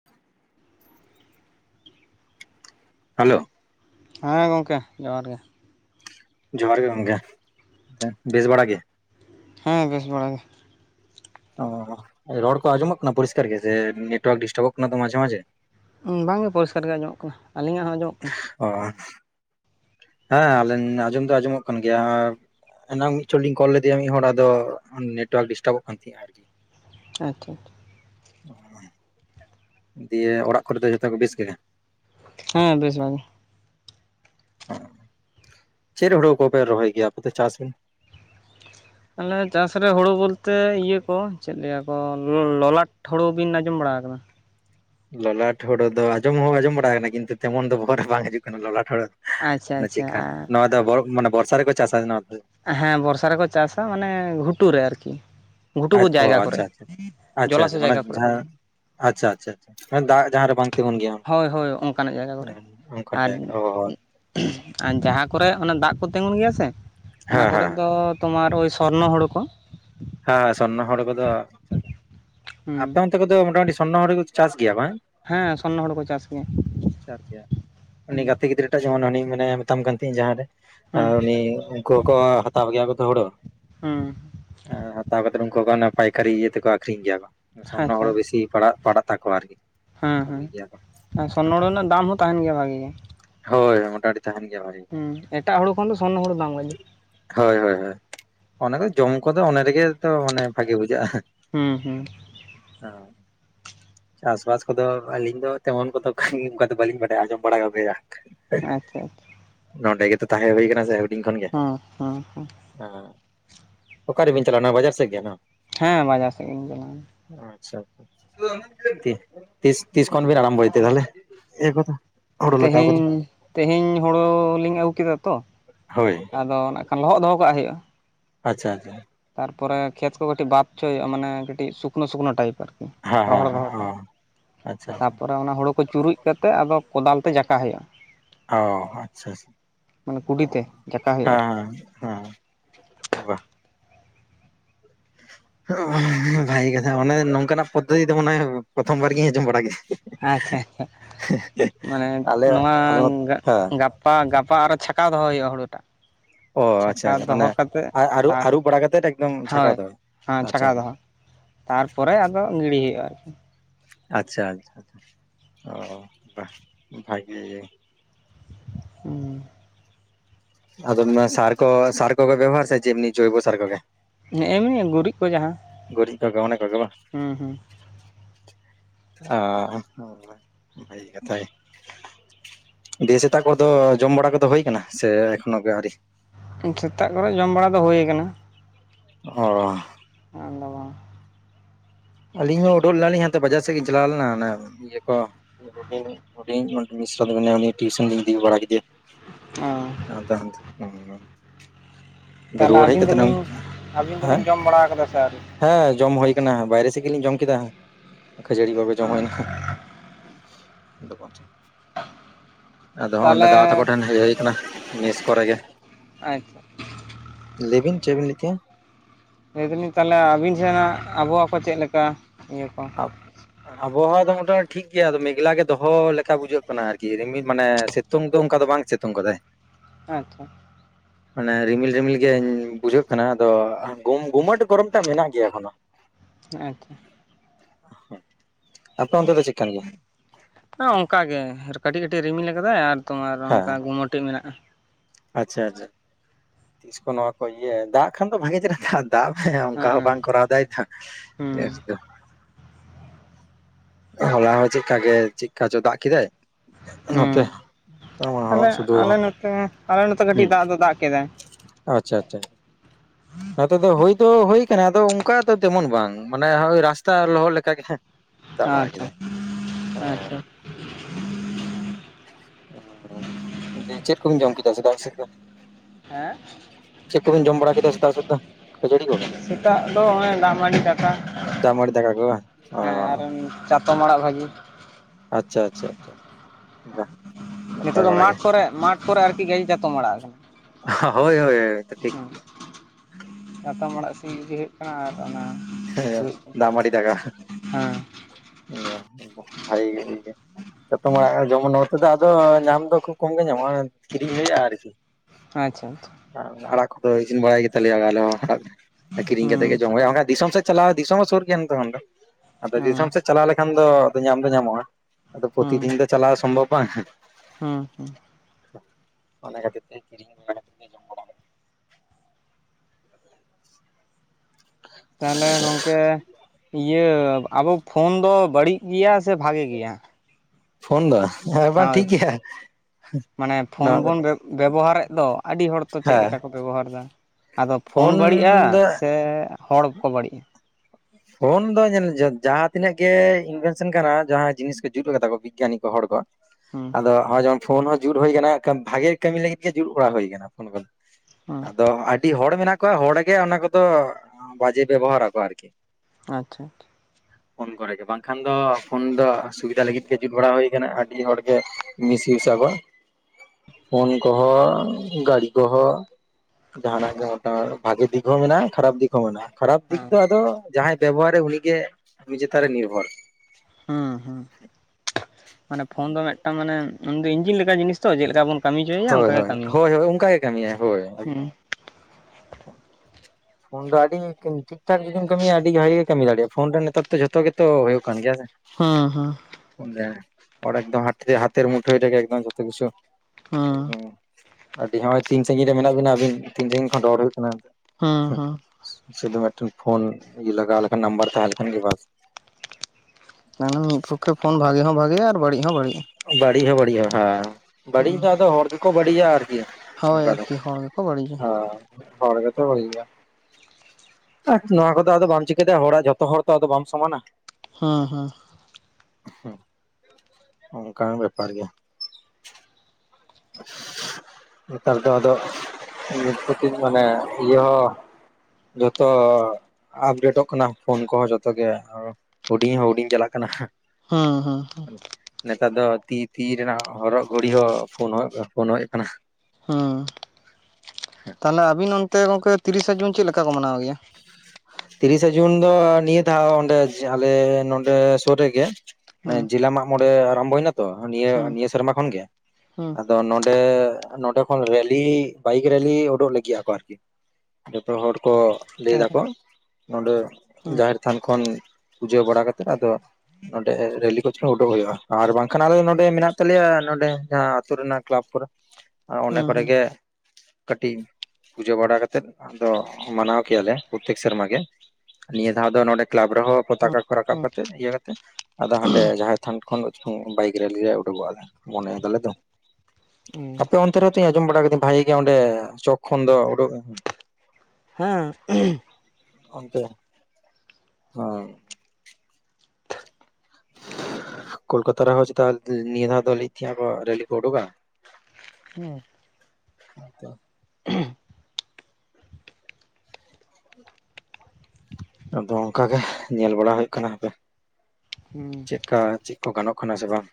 [inaudible] Hello. ᱦᱮᱸ ᱜᱚᱢᱠᱮ ᱡᱚᱸᱦᱟᱨ ᱜᱮ᱾ ᱡᱚᱦᱟᱨ ᱜᱮ ᱜᱚᱢᱠᱮ, ᱵᱮᱥ ᱵᱟᱲᱟ ᱜᱮ᱾ ᱦᱮᱸ ᱵᱮᱥ ᱵᱟᱲᱟ ᱜᱮ᱾ ᱚ ᱨᱚᱲ ᱠᱚ ᱟᱸᱡᱚᱢᱚᱜ ᱠᱟᱱᱟ ᱯᱚᱨᱤᱥᱠᱟᱨ ᱜᱮ ᱥᱮ ᱱᱮᱴᱳᱣᱟᱨᱠ ᱰᱤᱥᱴᱟᱵᱚᱜ ᱠᱟᱱᱟ ᱛᱚ ᱢᱟᱡᱷᱮ ᱢᱟᱡᱷᱮ᱾ ᱵᱟᱝᱜ ᱜᱮ ᱯᱚᱨᱤᱥᱠᱟᱨ ᱜᱮ ᱟᱸᱡᱚᱢᱚᱜ ᱠᱟᱱᱟ, ᱟᱹᱞᱤᱧᱟᱜ ᱦᱚᱸ ᱟᱸᱚᱢᱚᱜ ᱠᱟᱱᱟ? ᱚ ᱦᱮᱸ ᱟᱞᱧ ᱟᱸᱡᱚᱢ ᱫᱚ ᱟᱸᱡᱚᱢᱚᱜ ᱠᱟᱱ ᱜᱮᱭᱟ, ᱟᱨ ᱮᱱᱟᱝ ᱢᱤᱫ ᱪᱷᱚᱴ ᱞᱤᱧ ᱠᱚᱞ ᱞᱮᱫᱮᱭᱟ ᱢᱤᱫ ᱦᱚᱲ ᱟᱫᱚ ᱱᱮᱴᱣᱟᱨᱠ ᱰᱤᱥᱴᱟᱵᱚᱜ ᱠᱟᱱ ᱛᱤᱦᱤᱧᱟᱹ ᱟᱨᱠᱤ᱾ ᱟᱪᱪᱷᱟ ᱪᱷᱟ᱾ [unintelligible] ᱫᱤᱭᱮ ᱚᱲᱟᱜ ᱠᱚᱨᱮ ᱫᱚ ᱡᱚᱛᱚ ᱠᱚ ᱵᱮᱥ ᱜᱮ? ᱦᱮᱸ ᱵᱮᱥ [unintelligible] ᱪᱮ ᱦᱲᱩ ᱠᱚ ᱯᱮ ᱨᱚᱦ ᱜᱮᱭᱟ ᱟᱯᱮ ᱫᱚ ᱪᱟᱥ ᱫᱤᱱ? ᱟᱞᱮ ᱪᱟᱥ ᱨᱮ ᱦᱩᱲᱩ ᱵᱚᱞᱛᱮ ᱤᱭᱟᱹ ᱠᱚ ᱪᱮᱫ ᱞᱮᱠᱟ ᱠᱚ ᱞᱚ ᱞᱟᱴ, ᱛᱷᱳᱲᱳ ᱵᱤᱱ ᱟᱸᱡᱚᱢ ᱵᱟᱲᱟ ᱟᱠᱟᱫᱟ? ᱞᱚᱞᱟᱴ ᱦᱚ ᱦᱚᱲᱚ ᱫᱚ ᱟᱸᱚᱢ ᱦᱚᱸ ᱟᱸᱚᱢ ᱵᱟᱲᱟ ᱟᱠᱟᱱᱟ ᱠᱤᱱᱛᱩ ᱛᱮᱢᱚᱱ ᱫᱚ ᱵᱚᱦᱚᱜ ᱨᱮ ᱵᱟᱝ ᱦᱤᱡᱩᱜ ᱠᱟᱱᱟ ᱞᱚᱞᱟᱴ ᱦᱳᱲᱳ ᱫᱚ᱾ ᱟᱪᱪᱷᱟ ᱱᱚᱣᱟ ᱟᱪᱪᱷᱟ ᱪᱮᱠᱟ ᱱᱚᱣᱟ ᱫᱚ ᱢᱟᱱᱮ ᱵᱚᱨᱥᱟ ᱨᱮᱠᱚ ᱪᱟᱥᱟ, ᱱᱚᱣᱟ ᱫᱚ? ᱦᱮᱸ ᱵᱚᱨᱥᱟ ᱨᱮᱠᱚ ᱪᱟᱥᱟ ᱢᱟᱱᱮ ᱜᱷᱩᱴᱩᱨ ᱨᱮ ᱟᱨᱠᱤ᱾ ᱜᱷᱩᱴᱩ ᱠᱚ ᱚ ᱡᱟᱭᱜᱟ ᱟᱪᱪᱷᱟ ᱠᱚᱨᱮᱜ ᱟᱪᱪᱷᱟ ᱟᱪᱪᱷᱟ ᱡᱚᱞᱟᱥᱚ ᱟᱪᱪᱷᱟ ᱢᱟᱱᱮ ᱡᱟᱭᱜᱟ ᱠᱚᱨᱮ ᱫᱚ ᱡᱟᱦᱟᱸ ᱵᱟᱝ᱾ ᱟᱪᱪᱷᱟ ᱟᱪᱪᱷᱟ ᱪᱷᱟ ᱫᱟᱜ ᱡᱟᱦᱟᱸᱨᱮ ᱵᱟᱝ ᱛᱤᱸᱜᱩᱱ ᱜᱮᱭᱟ ᱦᱳᱭ ᱦᱳᱭ ᱚᱱᱠᱟᱱᱟᱜ ᱡᱟᱭᱜᱟ ᱠᱚᱨᱮ, ᱦᱮᱸ ᱚᱱᱠᱟᱱ ᱟᱨ ᱡᱟᱭᱜᱟ ᱚ ᱟ ᱡᱟᱦᱟᱸ ᱠᱚᱨᱮ ᱚᱱ ᱫᱟᱜ ᱠᱚ ᱛᱤᱸᱜᱩᱱ ᱜᱮᱭᱟ ᱥᱮ, ᱚᱱᱟ ᱦᱮᱸ ᱠᱚᱨᱮ ᱦᱮᱸ ᱫᱚ ᱛᱳᱢᱟᱨ ᱳᱭ ᱥᱚᱨᱱᱚ ᱦᱳᱲᱳ ᱠᱚ, ᱦᱮᱸ ᱥᱚᱨᱱᱚ ᱦᱳᱲᱚ ᱠᱚᱫᱚ ᱦᱩᱸ ᱟᱯᱮ ᱚᱱᱛᱮ ᱠᱚᱫᱚ ᱢᱚᱴᱟᱢᱩᱴᱤ ᱥᱚᱨᱱᱚ ᱦᱚᱲ ᱠᱚ ᱪᱟᱥ ᱜᱮᱭᱟ ᱵᱟᱝ? [inaudible] ᱦᱮᱸ ᱥᱚᱨᱱᱚ ᱦᱩᱲᱩ ᱠᱚ ᱪᱟᱥ ᱜᱮᱭᱟ [unintelligible] ᱜᱮᱭᱟ ᱩᱱᱤ ᱜᱟᱛᱮ ᱜᱤᱫᱽᱨᱟᱹ ᱮᱴᱟᱜ ᱡᱮᱢᱚᱱ ᱩᱱᱤ ᱢᱟᱱᱮ ᱢᱮᱛᱟᱢ ᱠᱟᱱ ᱛᱤᱧ ᱡᱟᱦᱟᱸᱨᱮ ᱦᱮᱸ ᱩᱱᱤ ᱩᱱᱠᱩ ᱠᱚ ᱦᱟᱛᱟᱣ ᱜᱮᱭᱟ ᱠᱚ ᱛᱚ ᱦᱳᱲᱳ᱾ ᱦᱮᱸ ᱦᱟᱛᱟᱣ ᱠᱟᱛᱮ ᱩᱱᱠᱩ ᱯᱟᱭᱠᱟᱨᱤ ᱤᱭᱟᱹ ᱛᱮᱠᱚ ᱟᱠᱷᱨᱤᱧ ᱜᱮᱭᱟ ᱠᱚ, ᱟᱪᱪᱷᱟ ᱥᱚᱨᱱᱚ ᱟᱪᱪᱷᱟ ᱦᱳᱲᱳ ᱵᱮᱥᱤ ᱯᱟᱲᱟᱜ ᱯᱟᱲᱦᱟᱜ ᱛᱟᱠᱚᱣᱟ ᱟᱨᱠᱤ᱾ ᱦᱮᱸ ᱟᱹᱜᱩᱭ ᱜᱮᱭᱟ ᱠᱚ ᱦᱮᱸ ᱥᱚᱨᱱᱚᱚᱲ ᱨᱮᱱᱟᱜ ᱫᱟᱢ ᱦᱚᱸ ᱛᱟᱦᱮᱱ ᱜᱮᱭᱟ ᱵᱷᱟᱜᱤ ᱜᱮ᱾ ᱦᱳᱭ ᱢᱚᱴᱟ ᱴᱤ ᱛᱟᱸᱦᱮᱱ ᱜᱮᱭᱟ [unintelligible] ᱦᱩᱸ ᱮᱴᱟᱜ ᱦᱚᱲᱩ ᱠᱷᱚᱱ ᱫᱚ ᱥᱚᱨᱱᱚ ᱦᱩᱲᱩ ᱵᱟᱝ [unintelligible] ᱦᱳᱭ ᱦᱳᱭ ᱦᱳᱭ ᱚᱱᱟ ᱠᱚ ᱡᱚᱢ ᱠᱚᱫᱚ ᱚᱱᱮ ᱨᱮᱜᱮ ᱛᱚ ᱢᱟᱱᱮ ᱵᱷᱟᱜᱮ ᱵᱩᱡᱷᱟᱹᱜ-ᱟ᱾ ᱦᱩᱸ ᱦᱩᱸ [inaudible] ᱪᱟᱥᱵᱟᱥ ᱠᱚᱫᱚ ᱟᱹᱞᱤᱧ ᱫᱚ ᱛᱮᱢᱚᱱ ᱠᱚᱫᱚ ᱠᱟᱹᱢᱤ ᱚᱱᱠᱟ ᱫᱚ ᱵᱟᱹᱞᱤᱧ ᱵᱟᱰᱟᱭᱟ ᱟᱸᱡᱚᱢ ᱵᱟᱲᱟ ᱠᱟᱯᱮᱭᱟ ᱟᱪᱪᱷᱟ ᱟᱪᱪᱷᱟ ᱱᱚᱸᱰᱮ ᱜᱮᱛᱚ ᱛᱟᱦᱮᱸ ᱦᱩᱭ ᱠᱟᱱᱟ ᱥᱮ ᱦᱩᱰᱤᱧ ᱠᱷᱚᱱ ᱜᱮ, ᱦᱮᱸ ᱦᱮᱸ ᱦᱮᱸ [inaudible] ᱚᱠᱟᱨᱮᱵᱤᱱ ᱪᱟᱞᱟᱭᱱᱟ ᱵᱟᱡᱟᱨ ᱥᱮ ᱜᱮ ᱢᱟ ᱦᱮᱸ ᱵᱟᱡᱟᱨ ᱥᱮᱫ ᱜᱮᱤᱧ ᱪᱟᱞᱟᱣ ᱱᱟ ᱟᱪᱪᱷᱟ ᱟᱪᱪᱷᱟ [inaudible] [unintelligible] ᱛᱤᱥ ᱛᱤᱥ ᱠᱷᱚᱱ ᱵᱤᱱ ᱟᱨᱟᱢᱵᱚᱭ ᱛᱮ ᱛᱟᱦᱚᱞᱮ ᱤᱭᱟᱹ ᱠᱚᱫᱚ᱾ ᱦᱳᱲᱳ ᱞᱟᱜᱟᱣ ᱠᱚᱫᱚ ᱛᱤᱦᱤᱧ ᱛᱤᱦᱤᱧ ᱦᱩᱲᱩ ᱞᱤᱧ ᱟᱹᱜᱩ ᱠᱮᱫᱟ ᱛᱚ ᱦᱳᱭ ᱟᱫᱚ ᱱᱟᱜ ᱠᱷᱟᱱ ᱞᱚᱦᱚᱫ ᱫᱚᱦᱚ ᱠᱟᱜ ᱦᱩᱭᱩᱜ-ᱟ ᱟᱪᱪᱷᱟ ᱟᱪᱪᱷᱟ, ᱛᱟᱨᱯᱚᱨᱮ ᱠᱷᱮᱛ ᱠᱚ ᱠᱟᱹᱴᱤᱡ ᱵᱟᱫᱽᱪᱚ ᱦᱩᱭᱩᱜ-ᱟ ᱢᱟᱱᱮ ᱠᱟᱹᱴᱤᱡ ᱥᱩᱠᱱᱳ ᱥᱩᱠᱱᱳ ᱴᱟᱭᱤᱯ ᱟᱨ ᱦᱮᱸ ᱨᱚᱦᱚᱲ ᱦᱮᱸ ᱦᱮᱸ ᱨᱚᱦᱚᱲ ᱛᱮ ᱚ ᱟᱪᱪᱷᱟ ᱟᱪᱪᱷᱟ ᱛᱟᱯᱚᱨ ᱚᱱᱟ ᱦᱩᱲᱩ ᱠᱩ ᱪᱩᱨᱩᱡ ᱠᱟᱛᱮᱜ ᱟᱫᱚ ᱠᱚᱫᱟᱞ ᱛᱮ ᱡᱟᱠᱟ ᱦᱩᱭᱩᱜ-ᱟ ᱚ ᱟᱪᱪᱷᱟ ᱟᱪᱪᱷᱟ ᱢᱟᱱᱮ ᱚ ᱠᱩᱰᱤ ᱛᱮ ᱡᱟᱠᱟ ᱦᱩᱭᱩᱜᱼᱟ ᱟᱨᱠᱤ ᱦᱮᱸ ᱟᱦᱟ ᱵᱟ, [inaudible] ᱵᱷᱟᱜᱤ ᱠᱟᱛᱷᱟ ᱚᱱᱮ ᱱᱚᱝᱠᱟᱱᱟᱜ ᱯᱚᱫᱽᱫᱷᱚᱛᱤ ᱫᱚ ᱢᱟᱱᱮ ᱯᱨᱚᱛᱷᱚᱢ ᱵᱟᱨ ᱜᱤᱧ ᱟᱸᱡᱚᱢ ᱵᱟᱲᱟ ᱜᱮ ᱟᱪᱪᱷᱟ ᱟᱪᱪᱷᱟ ᱢᱟᱱᱮ ᱟᱞᱮ ᱱᱚᱣᱟ ᱟᱞᱮ ᱦᱮᱸ ᱜᱟᱱ ᱜᱟᱯ ᱯᱟ ᱜᱟᱯᱟ ᱟᱨᱚᱪᱷᱟᱠᱟᱣ ᱫᱚᱦᱚ ᱦᱩᱭᱩᱜ-ᱟ ᱦᱩᱲᱩᱴᱟᱜ ᱚ ᱟᱪᱪᱷᱟ ᱪᱷᱟᱠᱟᱣ ᱟᱪᱪᱷᱟ ᱢᱟᱱᱮ ᱫᱚᱦᱚ ᱠᱟᱛᱮᱫ ᱟ ᱟᱨᱩ ᱟᱨᱩᱯ ᱵᱟᱲᱟ ᱠᱟᱛᱮᱫ ᱮᱠᱫᱚᱢ ᱪᱷᱟᱠᱟᱣ ᱫᱚᱦᱚᱭ ᱦᱟᱸ ᱪᱷᱟᱠᱟᱣ ᱫᱚᱦᱚ ᱛᱟᱨᱯᱚᱨᱮ ᱟᱫᱚ ᱜᱤᱲᱤ ᱦᱩᱭᱩᱜ-ᱟ ᱟᱨᱠᱤ ᱟᱪᱪᱷᱟ ᱟᱪᱷᱟᱷᱟ ᱚ ᱵᱟ, ᱵᱷᱟᱜᱤ ᱜᱮ ᱩᱸ ᱟᱫᱚ ᱥᱟᱨ ᱠᱚ ᱥᱟᱨ ᱠᱚ ᱜᱮ ᱵᱮᱵᱚᱦᱟᱨ ᱥᱮ ᱡᱮ ᱮᱢᱱᱤ ᱡᱚᱭᱵᱚ ᱥᱟᱨ ᱠᱚ ᱜᱮ ᱱᱮ ᱮᱢᱱᱤ ᱜᱩᱨᱤᱡ ᱠᱚ ᱡᱟᱦᱟᱸ, [inaudible] ᱢᱚᱱᱮ ᱠᱚᱜᱮ ᱵᱟᱝ ᱦᱮᱸ [inaudible] ᱚ ᱵᱷᱟᱜᱮ ᱠᱟᱛᱷᱟᱭ ᱫᱤᱭᱮ ᱥᱮᱛᱟᱜ ᱠᱚᱨᱮ ᱫᱚ ᱡᱚᱢ ᱵᱟᱲᱟ ᱠᱚᱫᱚ ᱦᱩᱭ ᱠᱟᱱᱟ ᱥᱮ ᱮᱠᱷᱚᱱᱳ ᱜᱮ ᱟᱹᱣᱨᱤ? ᱥᱮᱛᱟᱜ ᱠᱚᱨᱮ ᱡᱚᱢ ᱵᱟᱲᱟ ᱫᱚ ᱦᱩᱭ ᱠᱟᱱᱟ, ᱦᱚ ᱮᱱ ᱫᱚ ᱵᱟᱝ, ᱟᱹᱞᱤᱧ ᱦᱚᱸ ᱩᱰᱩᱠ ᱞᱮᱱᱟᱞᱤᱧ ᱦᱟᱱᱛᱮ ᱵᱟᱡᱟᱨ ᱥᱮᱫ ᱜᱤᱧ ᱪᱟᱞᱟᱣ ᱞᱮᱱᱟ ᱚᱱᱮ ᱤᱭᱟᱹ ᱠᱚ ᱦᱩᱰᱤᱧ ᱦᱩᱰᱤᱧ ᱢᱤᱥᱨᱚᱢ ᱢᱤᱱᱟᱭᱟ ᱩᱱᱤ ᱴᱤᱭᱩᱥᱚᱱ ᱞᱤᱧ ᱤᱫᱤ ᱵᱟᱲᱟ ᱠᱮᱫᱮᱭᱟ᱾ ᱚ ᱟᱫᱚ [inaudible] ᱛᱟᱦᱚᱞᱮ ᱨᱩᱣᱟᱹᱲ ᱦᱮᱡ ᱟᱹᱵᱤᱱ ᱠᱟᱛᱮ ᱱᱚᱝ ᱫᱚᱵᱤᱱ ᱟᱹᱵᱤᱱ ᱦᱟ ᱫᱚᱵᱤᱱ ᱡᱚᱢ ᱵᱟᱲᱟ ᱟᱠᱟᱫᱟ ᱥᱮ ᱟᱹᱣᱨᱤ ᱦᱮᱸ ᱡᱚᱢ ᱦᱩᱭ ᱠᱟᱱᱟ ᱵᱟᱭᱨᱮ ᱥᱮᱫ ᱜᱮᱞᱤᱧ ᱡᱚᱢ ᱠᱮᱫᱟ ᱠᱷᱟᱹᱡᱟᱹᱲᱤ ᱵᱟᱵᱮ ᱡᱚᱢ ᱦᱩᱭᱱᱟ᱾ [inaudible] ᱟᱫᱚ ᱚᱸᱰᱮ ᱛᱟᱦᱚᱞᱮ ᱫᱟᱫᱟ ᱛᱟᱠᱚᱴᱷᱮᱱ ᱠᱟᱱᱟ ᱢᱮᱥ ᱠᱚᱨᱮ ᱜᱮ ᱟᱪᱪᱷᱟ ᱞᱟᱹᱭᱵᱤᱱ ᱪᱮᱫᱵᱤᱱ ᱞᱟᱹᱭ ᱠᱮᱜ-ᱟ ᱞᱟᱹᱭ ᱫᱟᱞᱤᱧ ᱛᱟᱦᱚᱞᱮ ᱟᱹᱵᱤᱱ ᱥᱮᱱᱟᱜ ᱟᱵᱚᱣᱟ ᱠᱚ ᱪᱮᱫ ᱞᱮᱠᱟ ᱤᱭᱟᱹ ᱠᱚ ᱟ [inaudible] ᱟᱵᱚᱦᱟᱣᱟ ᱫᱚ ᱢᱚᱴᱟᱢᱩᱴᱤ ᱴᱷᱤᱠ ᱜᱮᱭᱟ ᱟᱫᱚ ᱢᱮᱜᱽᱞᱟ ᱜᱮ ᱫᱚᱦᱚ ᱞᱮᱠᱟ ᱵᱩᱡᱷᱟᱹᱜ ᱠᱟᱱᱟ ᱟᱨᱠᱤ ᱨᱤᱢᱤᱫ ᱢᱟᱱᱮ ᱥᱮᱛ ᱩᱝ ᱫᱚ ᱚᱱᱠᱟ ᱫᱚ ᱵᱟᱝ ᱥᱤᱛᱩᱝ ᱠᱟᱫᱟᱭ ᱦᱮᱸ ᱛᱷᱚ ᱚᱱᱮ ᱨᱤᱢᱤᱞ ᱨᱤᱢᱤᱞ ᱜᱮᱧ ᱵᱩᱡᱷᱟᱹᱜ ᱠᱟᱱᱟ ᱟᱫᱚ ᱜᱩᱢᱜᱩᱢᱟᱹᱴ ᱜᱚᱨᱚᱢ ᱴᱟᱜ ᱢᱮᱱᱟᱜ ᱜᱮᱭᱟ ᱮᱠᱷᱚᱱᱚ᱾ [inaudible] ᱟᱪᱪᱷᱟ ᱟᱯᱮ ᱚᱱᱛᱮ ᱫᱚ ᱪᱮᱠᱟᱱ ᱜᱮᱭᱟ ᱚᱱᱠᱟᱜ ᱜᱮ ᱠᱟᱹᱴᱤᱡ ᱠᱟᱹᱴᱤᱡ ᱨᱤᱢᱤᱞ ᱟᱫᱟᱭ ᱟᱨ ᱛᱳᱢᱟᱨ ᱚᱱᱠᱟ ᱦᱮᱸ ᱜᱩᱢᱴᱤ ᱢᱮᱱᱟᱜᱼᱟ ᱟᱪᱪᱷᱟ ᱟᱪᱪᱷᱟ ᱛᱤᱥ ᱠᱚ ᱱᱚᱣᱟ ᱠᱚ ᱤᱭᱟᱹ ᱫᱟᱜ ᱠᱷᱟᱱ ᱫᱚ ᱵᱷᱟᱜᱤ ᱪᱮᱦᱨᱟ ᱫᱟᱜ ᱫᱟᱜ ᱦᱮᱸ ᱚᱱᱠᱟ ᱦᱚᱸ ᱵᱟᱝ ᱠᱚᱨᱟᱣ ᱫᱟᱭ ᱛᱚ ᱱᱮᱥ ᱦᱮᱸ ᱫᱚ ᱦᱚᱞᱟ ᱦᱚᱸ ᱪᱮᱫᱠᱟ ᱜᱮ ᱪᱮᱫᱠᱟ ᱪᱚ ᱫᱟᱜ ᱠᱮᱫᱟᱭ ᱱᱚᱛᱮ ᱦᱩᱸ ᱟᱞᱮ ᱦᱚᱸ ᱥᱩᱫᱷᱩ ᱟᱞᱮ ᱱᱚᱛᱮ ᱟᱞᱮ ᱱᱚᱛᱮ ᱠᱟᱹᱴᱤᱡ ᱦᱩᱸ ᱫᱟᱜ ᱫᱚ ᱫᱟᱜ ᱠᱮᱫᱟᱭ ᱟᱪᱪᱷᱟ ᱟᱪᱪᱷᱟ ᱱᱚᱛᱮ ᱫᱚ ᱦᱳᱭ ᱫᱚ ᱦᱳᱭ ᱠᱟᱱᱟ ᱟᱫᱚ ᱚᱱᱠᱟ ᱫᱚ ᱛᱮᱢᱚᱱ ᱵᱟᱝ ᱢᱟᱱᱮᱭ ᱨᱟᱥᱛᱟ ᱞᱚᱦᱚᱫ ᱞᱮᱠᱟᱜᱮ ᱫᱟᱜ ᱵᱟᱲᱟ ᱟᱪᱪᱷᱟ ᱠᱮᱫᱟᱭ ᱦᱮ ᱟᱪᱪᱷᱟ ᱦᱩᱸ ᱫᱤᱭᱮ ᱪᱮᱫ ᱠᱚᱢ ᱡᱚᱢ ᱠᱮᱫᱟ ᱪᱮᱫᱟᱜ ᱥᱮ ᱫᱚ ᱦᱮᱸ ᱪᱮᱫ ᱠᱚᱵᱤᱱ ᱡᱚᱢ ᱵᱟᱲᱟ ᱠᱮᱫᱟ ᱥᱮᱛᱟᱜ ᱥᱮᱫᱫᱚ ᱥᱮᱛᱟᱜ ᱫᱚ ᱱᱚᱜᱼᱚᱭ ᱫᱟᱜ ᱢᱟᱹᱰᱤ ᱫᱟᱠᱟ ᱫᱟᱜ ᱢᱟᱹᱲᱤ ᱫᱟᱠᱟ ᱠᱚ ᱵᱟᱝ ᱚ ᱦᱮᱸ ᱟᱨ ᱪᱟᱛᱚᱢ ᱟᱲᱟᱜ ᱵᱷᱟᱹᱜᱤ ᱟᱪᱪᱷᱟ ᱟᱪᱪᱷᱟ [inaudible] ᱱᱤᱛᱚᱜ ᱫᱚ ᱵᱟᱲᱟ ᱜᱮ ᱢᱟᱴ ᱠᱚᱨᱮ ᱢᱟᱴ ᱠᱚᱨᱮ ᱟᱨᱠᱤ ᱜᱮᱡᱮ ᱪᱟᱛᱚᱢ ᱟᱲᱟᱜ ᱦᱳᱭ ᱦᱳᱭ ᱴᱷᱤᱠ ᱦᱮᱸ ᱪᱟᱛᱚᱢ ᱟᱲᱟᱜ ᱥᱤᱫ ᱤᱫᱤ ᱦᱩᱭᱩᱜ ᱠᱟᱱᱟ ᱟᱨ ᱚᱱᱟ ᱫᱟᱜ ᱢᱟᱹᱰᱤ ᱫᱟᱠᱟ [unintelligible] ᱦᱟᱸ [unintelligible] ᱪᱟᱛᱚᱢ ᱟᱲᱟᱜ ᱡᱚᱢ ᱱᱚᱛᱮᱫᱚ ᱟᱫᱚ ᱧᱟᱢ ᱫᱚ ᱠᱷᱩᱵ ᱠᱚᱢ ᱜᱮ ᱧᱟᱢᱚᱜᱼᱟ ᱠᱤᱨᱤᱧ ᱦᱩᱭᱩᱜᱼᱟ ᱟᱨᱠᱤ ᱟᱪᱪᱷᱟ ᱟᱪᱪᱷᱟ ᱟᱲᱟᱜ ᱠᱚᱫᱚ ᱤᱥᱤᱱ ᱵᱟᱲᱟᱭ ᱜᱮᱛᱟᱞᱮᱭᱟ ᱟᱞᱮᱲᱟᱜ ᱠᱤᱨᱤᱧ ᱠᱟᱛᱮ ᱦᱮᱸ ᱜᱮ ᱡᱚᱢᱭᱟ ᱫᱤᱥᱚᱢ ᱥᱮᱫ ᱪᱟᱞᱟᱣ ᱫᱤᱥᱚᱢ ᱦᱚᱸ ᱥᱩᱨ ᱜᱮᱭᱭᱟ ᱛᱚᱠᱷᱚᱱ ᱫᱚ ᱟᱫᱚ ᱦᱮᱸ ᱫᱤᱥᱚᱢ ᱥᱮᱫ ᱪᱟᱞᱟᱣ ᱞᱮᱠᱷᱟᱱ ᱫᱚ ᱧᱟᱢ ᱫᱚ ᱧᱟᱢᱚᱜᱼᱟ ᱟᱫᱚ ᱯᱨᱚᱛᱤᱫᱤᱱ ᱫᱚ ᱪᱟᱞᱟᱣ ᱥᱚᱢᱵᱷᱚᱵᱽ ᱵᱟᱝ ᱦᱩᱸ ᱦᱩᱸ ᱚᱱᱟ ᱠᱷᱟᱹᱛᱤᱨ ᱛᱮ ᱠᱤᱨᱤᱧ [inaudible] ᱦᱩᱭᱩᱜᱼᱟ᱾ ᱛᱟᱦᱚᱞᱮ ᱜᱚᱢᱠᱮ ᱤᱭᱟᱹ ᱟᱵᱚ ᱯᱷᱳᱱ ᱫᱚ ᱵᱟᱹᱲᱤᱡ ᱜᱮᱭᱟ ᱥᱮ ᱵᱷᱟᱜᱮ ᱜᱮᱭᱟ ᱯᱷᱳᱱ ᱫᱚ ᱦᱮᱸ ᱵᱟᱝ ᱦᱳᱭ ᱴᱷᱤᱠ ᱜᱮᱭᱟ ᱢᱟᱱᱮ ᱱᱚᱣᱟ ᱯᱷᱳᱱ ᱠᱚ ᱵᱚᱱ ᱛᱚ ᱵᱮᱵᱚᱦᱟᱨᱮᱫ ᱫᱚ ᱟᱹᱰᱤ ᱦᱚᱲᱛᱚ ᱪᱮᱫ ᱞᱮᱠᱟ ᱠᱚ ᱵᱮᱵᱚᱦᱟᱨᱮᱫᱟ ᱟᱫᱚ ᱯᱷᱳᱱ ᱵᱟᱹᱲᱤᱡᱼᱟ ᱥᱮ ᱦᱚᱲᱜᱮ ᱠᱚ ᱵᱟᱹᱲᱤᱡᱼᱟ ᱯᱷᱳᱱ ᱫᱚ ᱧᱮᱞ ᱡᱟᱦᱟᱸ ᱛᱤᱱᱟᱹᱜ ᱜᱮ ᱤᱱᱵᱷᱮᱱᱥᱮᱱ ᱠᱟᱱᱟ ᱡᱟᱦᱟᱸ ᱡᱤᱱᱤᱥ ᱠᱚ ᱡᱩᱛ ᱟᱠᱟᱫᱟ ᱠᱚ ᱵᱤᱜᱽᱜᱟᱱᱤ ᱛᱚ ᱦᱚᱲ ᱠᱚᱣᱟᱜ ᱦᱩᱸ ᱟᱫᱚ ᱡᱮ ᱯᱷᱳᱱ ᱦᱚᱸ ᱡᱩᱛ ᱦᱩᱭ ᱟᱠᱟᱱᱟ ᱵᱷᱟᱜᱮ ᱠᱟᱹᱢᱤ ᱞᱟᱹᱜᱤᱫ ᱜᱮ ᱡᱩᱛ ᱵᱟᱲᱟ ᱦᱩᱭ ᱟᱠᱟᱱᱟᱟᱱᱟ ᱯᱷᱳᱱ ᱠᱚ ᱦᱩᱸ ᱟᱫᱚ ᱟᱹᱰᱤ ᱦᱚᱲ ᱢᱮᱱᱟᱜ ᱠᱚᱣᱟ ᱦᱚᱲ ᱜᱮ ᱚᱱᱟ ᱠᱚᱫᱚ ᱵᱟᱡᱮ ᱵᱮᱵᱚᱦᱟᱨᱟᱠᱚ ᱟᱨᱠᱤ ᱟᱪᱪᱷᱟ ᱯᱷᱳᱱ ᱠᱚᱨᱮ ᱜᱮ ᱵᱟᱝᱠᱷᱟᱱ ᱫᱚ ᱯᱷᱳᱱ ᱫᱚ ᱥᱩᱵᱤᱫᱷᱟ ᱞᱟᱹᱜᱤᱫ ᱜᱮ ᱡᱩᱛ ᱵᱟᱲᱟ ᱦᱩᱭ ᱟᱠᱟᱱᱟ ᱟᱨ ᱡᱩᱫᱤ ᱦᱚᱲᱜᱮ [inaudible] ᱯᱷᱳᱱ ᱠᱚᱦᱚᱸ ᱜᱟᱹᱟᱹᱲᱤ ᱠᱚᱦᱚᱸ ᱡᱟᱦᱱᱟᱜ ᱜᱮ ᱵᱷᱟᱜᱤ ᱫᱤᱠ ᱦᱚᱸ ᱢᱮᱱᱟᱜᱼᱟ ᱠᱷᱟᱨᱟᱯ ᱫᱤᱠ ᱢᱮ ᱠᱷᱟᱨᱟᱯ ᱫᱤᱠ ᱦᱮᱸ ᱫᱚ ᱟᱫᱚ ᱡᱟᱦᱟᱸᱭ ᱵᱮᱵᱚᱦᱟᱨᱮ ᱩᱱᱤᱜᱮ ᱩᱱᱤ ᱪᱮᱛᱟᱱ ᱨᱮ ᱱᱤᱨᱵᱷᱚᱨ᱾ ᱦᱩᱸ ᱦᱩᱸ ᱢᱟᱱᱮ ᱯᱷᱳᱱ ᱫᱚ ᱢᱤᱫᱴᱟᱝ ᱢᱟᱱᱮ ᱤᱧᱡᱤᱱ ᱞᱮᱠᱟ ᱡᱤᱱᱤᱥ ᱛᱚ ᱪᱮᱫᱠᱟ ᱵᱚᱱ ᱠᱟᱹᱢᱤ ᱦᱚᱪᱚᱭᱮᱭᱟ ᱦᱳᱭ ᱚᱱᱠᱟ ᱜᱮ ᱦᱳᱭ ᱠᱟᱹᱢᱤᱭᱟ ᱦᱳᱭ ᱦᱳᱭ ᱚᱱᱠᱟ ᱜᱮ ᱦᱩᱸ ᱯᱷᱚᱱ ᱫᱚ ᱟᱹᱰᱤ ᱠᱤᱢᱛᱤ ᱴᱷᱤᱠ ᱴᱷᱟᱠ ᱡᱩᱤ ᱠᱟᱹᱢᱤᱭᱟ ᱟᱹᱰᱤ ᱜᱤ ᱜᱮ ᱠᱟᱹᱢᱤ ᱫᱟᱲᱮᱭᱟᱜᱼᱟ ᱯᱷᱳᱱ ᱱᱮᱛᱟᱨ ᱫᱚ ᱡᱷᱚᱛᱚ ᱜᱮᱛᱚ ᱦᱩᱭᱩᱜ ᱠᱟᱱ ᱜᱮᱭᱟ ᱥᱮ ᱦᱮᱸ ᱦᱮᱸ ᱮᱠᱫᱚᱢ [inaudible] ᱦᱟᱛᱮᱨ ᱢᱩᱴᱳᱭ ᱨᱮᱜᱮ ᱮᱠᱫᱚᱢ ᱡᱚᱛᱚ ᱠᱤᱪᱩ ᱦᱩᱸ ᱮᱫᱚᱢ ᱟᱹᱰᱤ ᱦᱚᱸᱜ ᱛᱤᱱ ᱥᱟᱹᱜᱤᱧ ᱨᱮ ᱢᱮᱱᱟᱜ ᱵᱤᱱᱟᱵᱤᱱ ᱛᱤᱱ ᱥᱟᱹᱜᱤᱧ ᱠᱷᱚᱱ ᱨᱚᱲ ᱦᱩᱭᱩᱜ ᱠᱟᱱᱟ ᱦᱩᱸ ᱦᱩᱸ ᱥᱚᱫᱩ ᱢᱤᱫᱴᱟᱝ ᱯᱷᱳᱱ ᱞᱟᱜᱟᱣ ᱞᱮᱠᱷᱟᱱ ᱱᱟᱢᱵᱟᱨ ᱛᱟᱦᱮᱸ ᱞᱮᱠᱷᱟᱱ ᱜᱮ ᱵᱟᱥ ᱢᱤᱫ ᱯᱚᱠᱠᱷᱮ ᱯᱷᱳᱱ ᱵᱷᱟᱜᱮ ᱦᱚᱸ ᱵᱷᱟᱜᱮᱭᱟ ᱟᱨ ᱵᱟᱹᱲᱤᱡ ᱦᱚᱸ ᱵᱟᱹᱲᱤᱡᱼᱟ ᱵᱟᱹᱲᱤᱡ ᱦᱚᱸ ᱵᱟᱹᱲᱤᱡ ᱟ ᱦᱟᱸ ᱵᱟᱹᱲᱤᱡ ᱫᱚ ᱟᱫᱚ ᱦᱚᱲ ᱜᱮᱠᱚ ᱵᱟᱹᱲᱤᱡᱤᱭᱟ ᱟᱨᱠᱤ ᱦᱳᱭ ᱚᱱᱠᱟ ᱫᱚ ᱟᱨᱠᱤ ᱦᱚᱲ ᱜᱮᱠᱚ ᱵᱟᱹᱲᱤᱡᱟ᱾ [unintelligible] ᱪᱟᱠᱨᱤ ᱦᱚᱲ ᱠᱚᱫᱚ ᱟᱫᱚ ᱵᱟᱢ ᱪᱤᱠᱟᱹᱭ ᱫᱟ ᱡᱷᱚᱛᱚ ᱦᱚᱲ ᱛᱚ ᱟᱫᱚ ᱵᱟᱢ ᱥᱚᱢᱟᱱᱟ᱾ ᱦᱮᱸ ᱦᱮᱸ ᱦᱮᱸ ᱚᱱᱠᱟᱱ ᱵᱮᱯᱟᱨ ᱜᱮ᱾ ᱱᱮᱛᱟᱨ ᱫᱚ ᱟᱫᱚ ᱱᱤᱛ ᱠᱟᱹᱴᱤᱡ ᱢᱟᱱᱮ ᱤᱭᱟᱹ ᱦᱚᱸ ᱡᱚᱛᱚ ᱟᱯᱰᱮᱴᱚᱜ ᱠᱟᱱᱟ ᱯᱷᱳᱱ ᱠᱚᱦᱚᱸ ᱡᱚᱛᱚ ᱜᱮ, ᱦᱩᱰᱤᱧ ᱦᱚᱸ ᱦᱩᱰᱤᱧ ᱪᱟᱞᱟᱜ ᱠᱟᱱᱟ᱾ ᱦᱩᱸ ᱦᱮᱸ ᱦᱮᱸ ᱱᱮᱛᱟᱨ ᱫᱚ ᱛᱤ ᱛᱤ ᱨᱮᱱᱟᱜ ᱦᱚᱨᱚᱜ ᱜᱷᱲᱤ ᱦᱚᱸ ᱯᱷᱳᱱ ᱯᱷᱳᱱ ᱦᱚᱭᱚᱜ ᱟᱠᱟᱱᱟ ᱦᱩᱸ ᱛᱟᱦᱚᱞᱮ ᱟᱵᱤᱱ ᱚᱱᱛᱮ ᱜᱚᱝᱠᱮ ᱛᱤᱨᱤᱥᱟ ᱡᱩᱱ ᱪᱮᱫ ᱞᱮᱠᱟ ᱠᱚ ᱢᱟᱱᱟᱣ ᱜᱮᱭᱟ? [unintelligible] ᱛᱤᱨᱤᱥᱟ ᱡᱩᱱ ᱫᱚ ᱱᱤᱭᱟᱹ ᱫᱷᱟᱣ ᱟᱞᱮ ᱱᱚᱰᱮ ᱥᱩᱨ ᱨᱮᱜᱮ ᱦᱩᱸ ᱡᱮᱞᱟ ᱢᱟᱜ ᱢᱚᱬᱮ ᱟᱨᱟᱢᱵᱷᱚ ᱭᱮᱱᱟ ᱛᱚ ᱱᱤᱭᱟᱹ ᱦᱩᱸ ᱱᱤᱭᱟᱹ ᱥᱮᱨᱢᱟ ᱠᱷᱚᱱᱜᱮ ᱦᱩᱸ ᱟᱫᱚ ᱱᱚᱰᱮ ᱱᱚᱰᱮ ᱠᱷᱚᱱ ᱨᱮᱞᱤ ᱵᱟᱭᱤᱠ ᱨᱮᱞᱤ ᱩᱰᱩᱠ ᱞᱟᱹᱜᱤᱫ ᱟᱠᱚ ᱟᱨᱠᱤ ᱡᱚᱛᱚ ᱦᱚᱲ ᱠᱚ ᱞᱟᱹᱭ ᱟᱪᱪᱷᱟ ᱫᱟᱠᱚ ᱱᱚᱰᱮ ᱦᱩᱸ ᱡᱟᱦᱮᱨ ᱛᱷᱟᱱ ᱠᱷᱚᱱ ᱯᱩᱡᱟᱹ ᱵᱟᱲᱟ ᱠᱟᱛᱮᱫ ᱟᱫᱚ ᱱᱚᱸᱰᱮ ᱨᱮᱞᱤ ᱠᱚᱪ ᱩᱰᱩᱠ ᱦᱩᱭᱩᱜᱼᱟ ᱟᱨ ᱵᱟᱝᱠᱷᱟᱱ ᱟᱞᱮ ᱱᱚᱰᱮ ᱢᱮᱱᱟᱜ ᱛᱟᱞᱮᱭᱟ ᱱᱚᱰᱮ ᱡᱟᱦᱟᱸ ᱟᱹᱛᱩ ᱨᱮᱱᱟᱜ ᱠᱞᱟᱵᱽ ᱠᱚᱨᱮ, ᱚᱱᱟ ᱦᱩᱸ ᱠᱚᱨᱮ ᱦᱩᱸ ᱜᱮ ᱠᱟᱹᱴᱤᱡ ᱯᱩᱡᱟᱹ ᱵᱟᱲᱟ ᱠᱟᱛᱮ ᱟᱫᱚ ᱢᱟᱱᱟᱣ ᱠᱮᱭᱟᱞᱮ ᱯᱨᱚᱛᱛᱮᱠ ᱥᱮᱨᱢᱟ ᱜᱮ ᱱᱤᱭᱟᱹ ᱫᱷᱟᱣ ᱫᱚ ᱱᱚᱰᱮ ᱠᱮᱞᱟᱵᱽ ᱨᱮᱦᱚᱸ ᱯᱚᱛᱟᱠᱟ ᱠᱚ ᱨᱟᱠᱟᱵ ᱠᱟᱛᱮ ᱤᱭᱟᱹ ᱠᱟᱛᱮ ᱟᱫᱚ ᱦᱟᱸᱰᱮ ᱡᱟᱦᱮᱨ ᱛᱷᱟᱱ ᱠᱷᱚᱱ ᱵᱟᱭᱤᱠ ᱨᱮᱞᱤ ᱞᱮ ᱩᱰᱩᱠᱚᱜᱼᱟ᱾ ᱢᱚᱱᱮᱭᱮ ᱫᱟᱞᱮ ᱫᱚ ᱦᱩᱸ ᱟᱯᱮ ᱚᱱᱛᱮ ᱨᱮᱛᱚᱧ ᱟᱸᱡᱚᱢ ᱵᱟᱲᱟ ᱠᱮᱫᱟ ᱵᱷᱟᱜᱤ ᱜᱮᱭᱟ ᱚᱸᱰᱮ ᱪᱚᱠ ᱠᱷᱚᱱ ᱫᱚ ᱩᱰᱩᱠ ᱦᱮᱸ ᱟᱱᱛᱮ ᱦᱮᱸ ᱠᱚᱞᱠᱟᱛᱟ ᱨᱮ ᱪᱮᱛᱟ [unintelligible] ᱱᱤᱭᱟᱹ ᱫᱷᱟᱣ ᱫᱚ ᱞᱟᱹᱭ ᱫᱟᱠᱟ ᱨᱮᱞᱤ ᱠᱚ ᱩᱰᱩᱠᱟ ᱦᱮᱸ [inaudible] ᱟᱫᱚ ᱚᱱᱠᱟ ᱜᱮ ᱧᱮᱞ ᱵᱟᱲᱟ ᱦᱩᱭᱩᱜ ᱠᱟᱱᱟ ᱦᱟᱯᱮ ᱦᱮᱸ ᱚᱱᱠᱟ ᱪᱮᱫ ᱠᱚ ᱜᱟᱱᱚᱜ ᱠᱟᱱᱟ ᱥᱮ ᱵᱟᱝ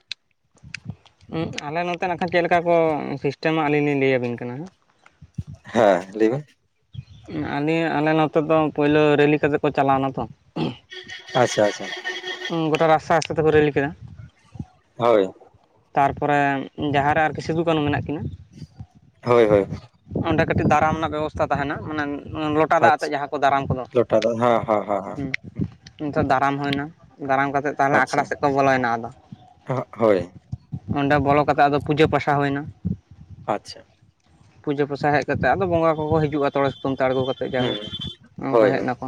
ᱟᱞᱮ ᱱᱚᱛᱮ ᱠᱷᱟᱱ ᱪᱮᱫᱠᱟ ᱠᱚ ᱥᱤᱥᱴᱮᱢᱟ ᱟᱹᱞᱤᱧ ᱞᱤᱧ ᱞᱟᱹᱭ ᱟᱵᱤᱱ ᱠᱟᱱᱟ ᱦᱟᱸᱜ᱾ ᱦᱮᱸ ᱞᱟᱹᱭᱵᱮᱱ ᱟᱞᱮ ᱟᱞᱮ ᱱᱚᱛᱮ ᱫᱚ ᱯᱳᱭᱞᱳ ᱨᱮᱞᱤ ᱠᱟᱛᱮ ᱠᱚ ᱪᱟᱞᱟᱣ ᱮᱱᱟ ᱛᱚ ᱟᱪᱪᱷᱟ ᱟᱪᱪᱷᱟ ᱜᱚᱴᱟ ᱨᱟᱥᱛᱟ ᱨᱟᱥᱛᱟ ᱛᱮᱯᱮ ᱨᱤᱞ ᱠᱮᱫᱟ ᱦᱳᱭ ᱛᱟᱨ ᱯᱚᱨᱮ ᱡᱟᱦᱟᱸᱨᱮ ᱟᱨᱠᱤ ᱥᱤᱫᱩ ᱠᱟᱹᱱᱦᱩ ᱢᱮᱱᱟᱜ ᱠᱤᱱᱟᱹ ᱦᱳᱭ ᱦᱳᱭ ᱚᱸᱰᱮ ᱠᱟᱹᱴᱤᱡ ᱫᱟᱨᱟᱢ ᱨᱮᱱᱟᱜ ᱵᱮᱵᱚᱥᱷᱛᱟ ᱛᱟᱦᱮᱱᱟ ᱢᱟᱱᱮ ᱞᱚᱴᱟ ᱞᱚᱴᱟ ᱫᱟᱜ ᱟᱪᱪᱷᱟ ᱟᱛᱮᱫ ᱡᱟᱦᱟᱸ ᱠᱚ ᱫᱟᱨᱟᱢ ᱠᱚᱫᱚ ᱞᱚᱴᱟ ᱫᱚ ᱦᱮᱸ ᱦᱮᱸ ᱦᱮᱸ ᱦᱩ, ᱱᱤᱛᱳ ᱫᱟᱨᱟᱢ ᱦᱩᱭᱱᱟ ᱫᱟᱨᱟᱢ ᱠᱟᱛᱮᱫ ᱛᱟᱦᱚᱞᱮ ᱟᱠᱷᱲᱟ ᱥᱮᱫ ᱟᱪᱪᱷᱟ ᱠᱚ ᱵᱚᱞᱚᱭᱮᱱᱟ ᱟᱫᱚ ᱦᱳᱭ ᱚᱸᱰᱮ ᱵᱚᱞᱚ ᱠᱟᱛᱮᱜ ᱟᱫᱚ ᱯᱩᱡᱟᱹ ᱯᱟᱥᱟ ᱦᱩᱭ ᱮᱱᱟ᱾ ᱟᱪᱷᱟ ᱯᱩᱡᱟᱹ ᱯᱟᱥᱟ ᱦᱮᱡ ᱠᱟᱛᱮ ᱟᱫᱚ ᱵᱚᱸᱜᱟ ᱠᱚᱠᱚ ᱦᱤᱡᱩᱜᱼᱟ ᱛᱚᱲᱮ ᱥᱩᱛᱟᱹᱢ ᱛᱮ ᱟᱬᱜᱚ ᱠᱟᱛᱮᱫ ᱡᱟᱭᱦᱳᱠ ᱚᱱᱟ ᱠᱚ ᱦᱮᱡ ᱱᱟᱠᱚ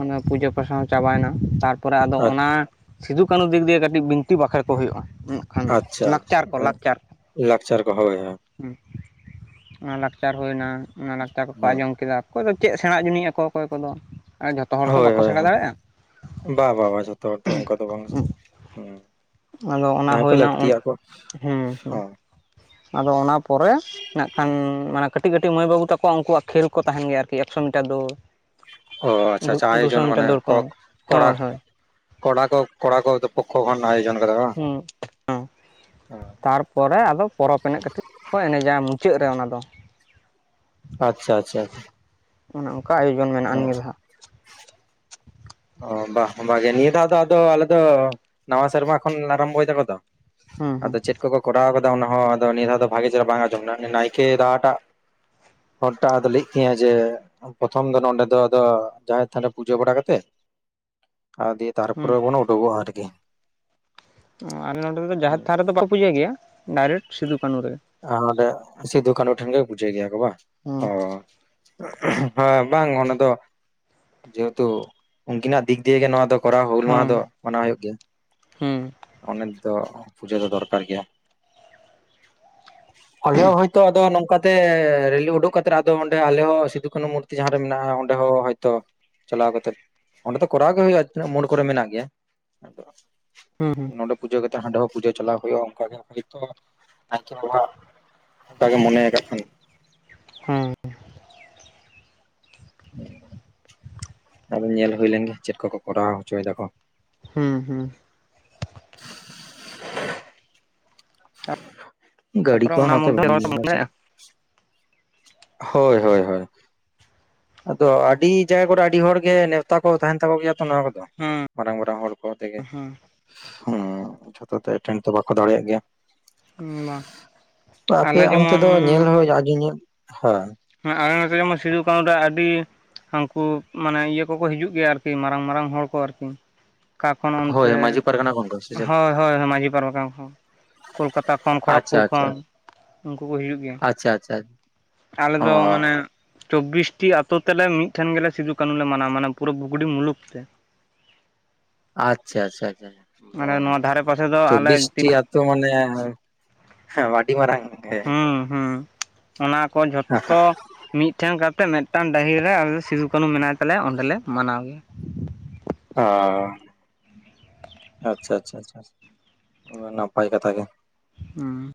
ᱚᱱᱟ ᱯᱩᱡᱟᱹ ᱯᱟᱥᱟ ᱦᱚᱸ ᱪᱟᱵᱟᱭᱮᱱᱟ, ᱛᱟᱨᱯᱚᱨᱮ ᱟᱫᱚ ᱚᱱᱟ ᱥᱤᱫᱩ ᱠᱟᱹᱱᱩ ᱫᱤᱠ ᱫᱤᱭᱮ ᱠᱟᱹᱴᱤᱡ ᱵᱤᱱᱛᱤ ᱵᱟᱠᱷᱮᱬ ᱠᱚ ᱦᱩᱭᱩᱜᱼᱟ ᱩᱜ ᱠᱷᱟᱱ ᱞᱟᱠᱪᱟᱨ ᱠᱚ ᱞᱟᱠᱪᱟᱨ ᱞᱟᱠᱪᱟᱨ ᱠᱚ ᱦᱳᱭ ᱦᱮᱸ ᱚᱱᱟ ᱞᱟᱠᱪᱟᱨ ᱦᱩᱭᱱᱟ ᱚᱱᱟ ᱞᱟᱠᱪᱟᱨ ᱠᱚᱠᱚ ᱟᱸᱡᱚᱢ ᱠᱮᱫᱟ, ᱚᱠᱚᱭ ᱫᱚ ᱪᱮᱜ ᱥᱮᱬᱟ ᱡᱩᱱᱤᱡ ᱟᱠᱚ ᱚᱠᱚᱭ ᱠᱚᱫᱚ ᱾ ᱦᱳᱭ-ᱦᱳᱭ, ᱵᱟ-ᱵᱟ ᱵᱟ ᱡᱚᱛᱚ ᱦᱚᱲ ᱫᱚ ᱚᱱᱠᱟ ᱫᱚ ᱵᱟᱝ ᱟᱫᱚ ᱚᱱᱟ ᱠᱚ ᱦᱩᱭᱱᱟ ᱞᱟᱠᱛᱤᱭᱟ ᱠᱚ ᱦᱮᱸ ᱦᱮᱸ ᱦᱚ, ᱟᱫᱚ ᱚᱱᱟ ᱯᱚᱨᱮ ᱱᱟᱜ ᱠᱷᱟᱱ ᱢᱟᱱᱮ ᱠᱟᱹᱴᱤᱡ ᱠᱟᱹᱴᱤᱡ ᱢᱟᱹᱭ ᱵᱟᱹᱵᱩ ᱛᱟᱠᱚᱣᱟ ᱩᱱᱠᱩᱣᱟᱜ ᱠᱷᱮᱞ ᱠᱚ ᱛᱟᱦᱮᱱ ᱜᱮᱭᱟ ᱟᱨᱠᱤ, ᱮᱠᱥᱚ ᱢᱤᱴᱟᱨ ᱫᱳᱲ ᱾ ᱚ ᱟᱪᱪᱷᱟ ᱟᱪᱪᱷᱟ ᱟ ᱟᱭᱚᱡᱚᱱ ᱢᱟᱱᱮ ᱠᱚ ᱠᱚᱨᱟᱠ ᱦᱳᱭ ᱦᱳᱭ ᱠᱚᱲᱟ ᱠᱚ ᱠᱚᱲᱟ ᱠᱚ ᱯᱚᱠᱚ ᱠᱷᱚᱱ ᱟᱭᱚᱡᱚᱱ ᱠᱟᱫᱟ ᱠᱚ ᱵᱟᱝ? ᱛᱟᱨᱯᱚᱨᱮ ᱟᱫᱚ ᱯᱚᱨᱚᱵᱽ ᱮᱱᱮᱡ ᱠᱟᱹᱴᱤᱡ ᱠᱚ ᱮᱱᱮᱡᱟ ᱢᱩ ᱢᱩᱪᱹᱟᱫ ᱨᱮ ᱚᱱᱟᱫᱚ ᱾ ᱟᱪᱪᱷᱟ ᱪᱷᱟ ᱾ ᱚᱱᱮ ᱚᱱᱠᱟ ᱟᱭᱳᱡᱚᱱ ᱢᱮᱱᱟᱜᱼᱟ ᱱᱤᱭᱟᱹ ᱫᱷᱟᱸᱜ ᱾ ᱚ ᱵᱟᱜ ᱱᱤᱭᱟᱹ ᱫᱷᱟᱣ ᱫᱚ ᱟᱞᱮ ᱫᱚ, ᱱᱟᱣᱟ ᱥᱮᱨᱢᱟ ᱠᱷᱚᱱ ᱟᱨᱟᱢ ᱵᱚᱭ ᱫᱟᱠᱚ ᱛᱚ ᱦᱟᱸᱜ ᱾ ᱟᱫᱚ ᱦᱩᱸ ᱪᱮᱫ ᱠᱚᱠᱚ ᱠᱚᱨᱟᱣ ᱠᱟᱫᱟ ᱚᱱᱟ ᱦᱚᱸ ᱟᱫᱚ, ᱱᱤᱭᱟᱹ ᱫᱷᱟᱣ ᱫᱚ ᱵᱷᱟᱜᱮ ᱪᱮᱦᱨᱟ ᱵᱟᱝ ᱟᱸᱡᱚᱢᱱᱟ ᱱᱟᱭᱠᱮ ᱮᱨᱟᱴᱟᱜ ᱦᱚᱱᱴᱟᱛ ᱞᱮᱭᱮᱜ ᱛᱤᱧᱟᱹ ᱡᱮ ᱯᱨᱚᱛᱷᱚᱢ ᱫᱚ ᱱᱚᱰᱮ ᱫᱚ ᱟᱫᱚ, ᱡᱟᱸᱦᱮᱨ ᱛᱷᱟᱱ ᱨᱮ ᱯᱩᱡᱟᱹ ᱵᱟᱲᱟ ᱠᱟᱛᱮᱜ ᱟᱨ ᱫᱤᱭᱮ ᱦᱩᱸ ᱛᱟᱨᱯᱚᱨᱮ ᱵᱚᱱ ᱩᱰᱩᱠᱚᱜᱼᱟ ᱟᱨᱠᱤ ᱾ ᱚ ᱟᱞᱮ ᱱᱚᱸᱰᱮ ᱫᱚ ᱡᱟᱦᱮᱨ ᱛᱷᱟᱱ ᱨᱮᱫᱚ ᱵᱟᱠᱚ ᱯᱩᱡᱟᱹ ᱜᱮᱭᱟ ᱰᱟᱭᱨᱮᱠᱴ ᱥᱤᱫᱩ ᱠᱟᱹᱱᱩ ᱨᱮ᱾ ᱸᱰᱮ ᱥᱤᱫᱩ ᱠᱟᱹᱱᱩ ᱴᱷᱮᱱ ᱜᱮ ᱯᱩᱡᱟᱹᱭ ᱜᱮᱭᱟ ᱠᱚ ᱵᱟᱝ? ᱦᱩᱸ ᱦᱚ᱾ ᱦᱮᱸ ᱵᱟᱝ ᱚᱱᱟ ᱫᱚ ᱡᱮᱦᱮᱛᱩ ᱩᱱᱠᱤᱱᱟᱜ ᱫᱤᱠ ᱫᱤᱭᱮ ᱜᱮ ᱱᱚᱣᱟ ᱫᱚ ᱾ ᱠᱚᱨᱟᱣ ᱦᱩᱞ ᱢᱟᱦᱟ ᱫᱚ ᱦᱩᱸ ᱢᱟᱱᱟᱣ ᱦᱩᱭᱩᱜ ᱜᱮᱭᱟ ᱦᱩᱸ ᱚᱱᱟ ᱛᱮᱫᱚ ᱯᱩᱡᱟᱹ ᱫᱚ ᱫᱚᱨᱠᱟᱨ ᱜᱮᱭᱟ᱾ ᱟᱞᱮ ᱦᱚᱸ ᱦᱚᱭᱛᱚ ᱟᱫᱚ ᱱᱚᱝᱠᱟ ᱛᱮ ᱨᱮᱞᱤ ᱩᱰᱩᱠ ᱠᱟᱛᱮ ᱚᱰᱸᱮ ᱟᱞᱮ ᱦᱚ ᱥᱤᱫᱩ ᱠᱟᱹᱱᱩ ᱢᱩᱨᱼᱼ ᱡᱟᱦᱟᱸ ᱨᱮ ᱢᱮᱱᱟᱜᱼᱟ ᱚᱸᱰᱮ ᱦᱚᱸ ᱦᱚᱭᱛᱚ ᱪᱟᱞᱟᱣ ᱠᱟᱛᱮᱫ ᱚᱸᱰᱮ ᱫᱚ ᱠᱚᱨᱟᱣ ᱜᱮ ᱦᱩᱭᱩᱜᱼᱟ ᱛᱤᱱᱟᱹᱜ ᱢᱩᱲ ᱠᱚᱨᱮ ᱢᱮᱱᱟᱜ ᱜᱮᱭᱟ ᱟᱫᱚ ᱦᱩᱸ ᱱᱚᱸᱰᱮ ᱯᱩᱡᱟᱹ ᱠᱟᱛᱮᱜ ᱦᱟᱸᱰᱮ ᱦᱚᱸ ᱯᱩᱡᱟᱹ ᱪᱟᱞᱟᱣ ᱦᱩᱭᱩᱜᱼᱟ ᱚᱱᱠᱟ ᱜᱮ ᱛᱚ ᱟᱛᱟᱜ ᱚᱱᱠᱟᱜ ᱜᱮ ᱢᱚᱱᱮ ᱠᱟᱜ ᱠᱷᱟᱱᱼᱼ ᱦᱮᱸ ᱟᱫᱚ ᱧᱮᱞ ᱦᱩᱭ ᱞᱮᱱᱜᱮ ᱪᱮᱫ ᱠᱚᱠᱚ ᱠᱚᱨᱟᱣ ᱦᱚᱪᱚᱭ ᱫᱟᱠᱚ ᱾ ᱦᱩᱸ ᱦᱩᱸ [unintelligible] ᱜᱟᱹᱲᱤ ᱛᱟᱨᱯᱚᱨᱮ ᱠᱚᱦᱚ ᱚᱱᱟ ᱱᱚᱛ [inaudible] ᱢᱚᱫᱽᱫᱷᱮ ᱨᱚᱲ ᱛᱮᱢ ᱫᱟᱲᱮᱭᱟᱜᱼᱟ ᱦᱚᱭ ᱦᱚᱭ ᱦᱚᱭ ᱾ ᱟᱫᱚ ᱟᱹᱰᱤ ᱡᱟᱭᱜᱟ ᱠᱚᱨᱮ ᱟᱹᱰᱤ ᱦᱚᱲ ᱜᱮ, ᱱᱮᱣᱛᱟ ᱠᱚ ᱛᱟᱦᱮᱸᱱ ᱛᱟᱠᱚ ᱜᱮᱭᱟ ᱛᱚ ᱱᱚᱣᱟ ᱠᱚᱫᱚ ᱾ ᱦᱩᱸ ᱢᱟᱨᱟᱝ ᱢᱟᱨᱟᱝ ᱦᱚᱲ ᱠᱚ ᱛᱮᱜᱮ, ᱦᱩ ᱡᱷᱚᱛᱚ ᱛᱚ ᱮᱴᱮᱱ ᱫᱚ ᱵᱟᱠᱚ ᱫᱟᱲᱮᱭᱟᱜ ᱜᱮᱭᱟ ᱾ ᱦᱩᱸ ᱵᱟᱝ ᱟᱞᱮ ᱟᱯᱮᱭᱟᱜ ᱚᱱᱛᱮ ᱡᱮᱢᱚᱱ ᱫᱚ ᱧᱮᱞ ᱦᱚᱸ ᱟᱸᱡᱚᱢᱧᱮᱞ ᱦᱮᱸ [inaudible] ᱟᱞᱮ ᱱᱚᱛᱮ ᱡᱮᱢᱚᱱ ᱥᱤᱫᱩ ᱠᱟᱹᱱᱩ ᱟᱹᱰᱤ ᱩᱱᱠᱩ ᱢᱟᱱᱮ ᱤᱭᱟᱹ ᱠᱚᱠᱚ ᱦᱤᱡᱩᱜ ᱜᱮᱭᱟ ᱟᱨᱠᱤ ᱢᱟᱨᱟᱝ ᱢᱟᱨᱟᱝ ᱦᱚᱲ ᱠᱚ ᱟᱨᱠᱤ᱾ ᱚᱠᱟ ᱠᱷᱚᱱ ᱦᱳᱭ ᱚᱱᱛᱮ ᱢᱟᱺᱡᱷᱤ ᱯᱟᱨᱜᱟᱱᱟ ᱠᱷᱚᱱ ᱠᱚ ᱥᱮ ᱪᱮᱫ ᱦᱳᱭ ᱦᱳᱭ ᱢᱟᱺᱡᱷᱤ ᱯᱟᱨᱵᱟᱱᱟᱱ ᱦᱚᱸ᱾ ᱠᱳᱞᱠᱟᱛᱟ ᱠᱷᱚᱱ ᱟᱪᱪᱷᱟ ᱠᱷᱚᱲᱚᱜᱽᱯᱩᱨ ᱠᱷᱚᱱ ᱟᱪᱪᱷᱟ ᱩᱱᱠᱩ ᱠᱚ ᱦᱤᱡᱩᱜ ᱜᱮᱭᱟ ᱾ ᱟᱪᱪᱷᱟ, ᱟᱪᱪᱷᱟ, ᱟᱞᱮ ᱚ ᱫᱚ ᱢᱟᱱᱮᱼᱼ ᱪᱚᱵᱽᱵᱤᱥᱴᱤ ᱟᱛᱳ ᱛᱮᱞᱮ ᱢᱤᱫᱴᱷᱮᱱ ᱜᱮᱞᱮ ᱥᱤᱫᱩ ᱠᱟᱹᱱᱩ ᱞᱮ ᱢᱟᱱᱟᱣᱟ ᱢᱟᱱᱮ ᱯᱩᱨᱟᱹ ᱵᱩᱜᱲᱤ ᱢᱩᱞᱩᱠ ᱛᱮ ᱾ ᱟᱪᱪᱷᱟ ᱟᱪᱪᱷᱟ ᱟᱪᱪᱷᱟ ᱢᱟᱱᱮ ᱱᱚᱣᱟ ᱫᱷᱟᱨᱮ ᱯᱟᱥᱮ ᱫᱚ ᱟᱞᱮ ᱪᱚᱵᱵᱤᱥᱴᱤ ᱛᱤᱱᱟᱹᱜ ᱛ ᱢᱟᱱᱮ ᱟᱰᱤ ᱢᱟᱸᱨᱟᱝ ᱦᱩᱸ ᱚᱱᱟ ᱠᱚ ᱡᱷᱚᱛᱚ ᱢᱤᱫᱴᱷᱮᱱ ᱠᱟᱛᱮ ᱢᱤᱫᱴᱟᱝ ᱰᱟᱹᱦᱤ ᱨᱮ, ᱟᱞᱮ ᱥᱤᱫᱩ ᱠᱟᱹᱱᱩ ᱢᱮᱱᱟᱭ ᱛᱟᱞᱮᱭᱟ ᱚᱸᱰᱮ ᱞᱮ ᱢᱟᱱᱟᱣ ᱜᱮᱭᱟ ᱾ ᱚ ᱟᱪᱪᱷᱟ ᱟᱪᱪᱷᱟ ᱱᱟᱯᱟᱭ ᱠᱟᱛᱷᱟ ᱜᱮ ᱾ ᱦᱩᱸ